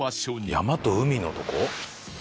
山と海のとこ？